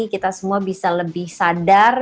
kita semua bisa lebih sadar